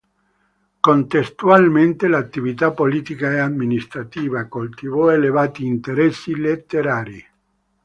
Contestualmente all'attività politica e amministrativa, coltivò elevati interessi letterari.